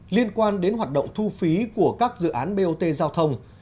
liên quan đến hoạt động thu phí của các dự án bot giao thông